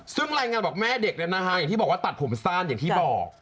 ซึ่งรายงานบอกแม่เด็กเนี่ยนะคะอย่างที่บอกว่าตัดผมสั้นอย่างที่บอก